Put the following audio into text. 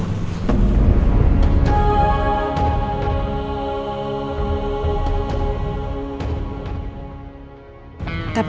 dan kebetulan kejadian itu juga